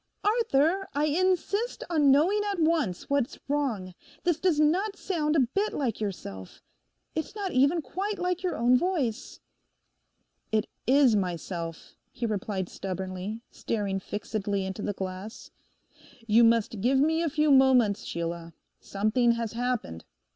'Arthur, I insist on knowing at once what's wrong; this does not sound a bit like yourself. It is not even quite like your own voice.' 'It is myself,' he replied stubbornly, staring fixedly into the glass. You must give me a few moments, Sheila. Something has happened.